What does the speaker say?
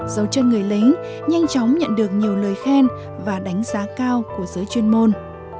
dấu chân người lính nhanh chóng nhận được nhiều lời khen và đánh giá cao của giới chuyên môn